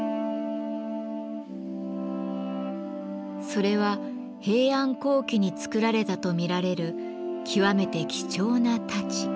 それは平安後期に作られたと見られる極めて貴重な太刀。